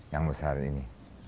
yang besar ini